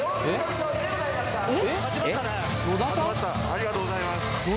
ありがとうございます